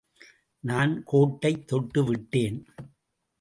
நான் கோட்டைத் தொட்டு விட்டேன்.